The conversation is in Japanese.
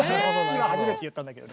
今初めて言ったんだけど。